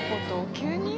急に？